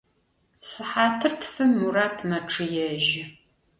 Сыхьатыр тфым Мурат мэчъыежьы.